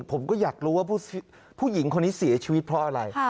ผมก็อยากรู้ว่าผู้หญิงคนนี้เสียชีวิตเพราะอะไร